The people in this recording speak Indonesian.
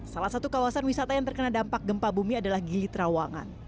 salah satu kawasan wisata yang terkena dampak gempa bumi adalah gili trawangan